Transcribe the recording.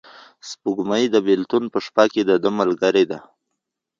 سپوږمۍ د بېلتون په شپه کې د ده ملګرې ده.